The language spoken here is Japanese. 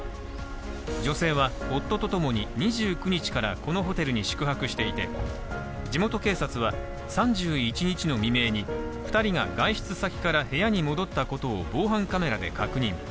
女性は夫とともに、２９日からこのホテルに宿泊していて、地元警察は、３１日の未明に２人が外出先から部屋に戻ったことを防犯カメラで確認。